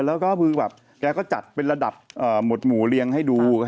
แล้วก็คือแบบแกก็จัดเป็นระดับหมดหมู่เรียงให้ดู